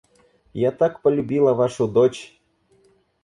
Я так полюбила вашу дочь.